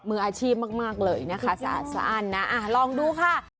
มืออาชีพมากเลยนะคะสะสั้นนะลองดูค่ะ